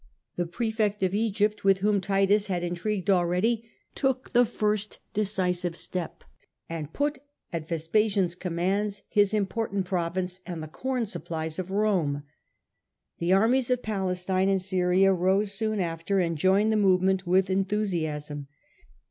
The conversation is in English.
The prsefect of Egypt, with whom Titus had intrigued already, took the first decisive step, and put at Vespasian^s command his important province and the corn supplies of Rome. The annies of Palestine and Syria rose soon after and joined the movement with en thusiasm.